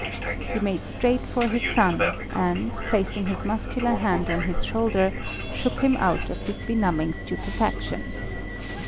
He made straight for his son, and, placing his muscular hand on his shoulder, shook him out of his benumbing stupefaction.